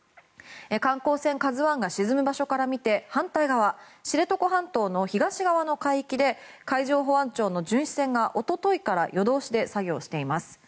観光船「ＫＡＺＵ１」が沈む場所から見て反対側知床半島の東側の海域で海上保安庁の巡視船がおとといから夜通しで作業しています。